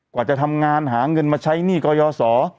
กว่าจะทำงานหาเงินมาใช้หนี้กยศ